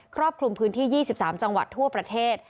รอบคลุมพื้นที่๒๓จังหวัดทั่วประเทศ